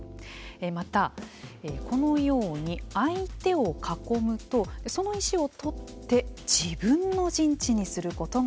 またこのように相手を囲むとその石を取って自分の陣地にすることができます。